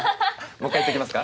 もう一回言っときますか？